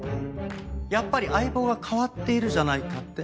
やっぱり相棒が変わっているじゃないかって？